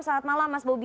selamat malam mas bobi